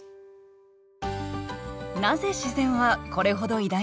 なぜ自然はこれほど偉大なのか？